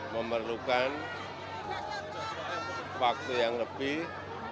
memerlukan waktu yang lebih